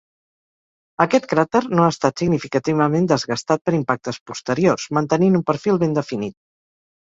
Aquest cràter no ha estat significativament desgastat per impactes posteriors, mantenint un perfil ben definit.